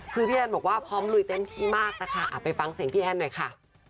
คือพี่แอนบอกว่าพร้อมลุยเต็มที่มากนะคะไปฟังเสียงพี่แอนหน่อยค่ะ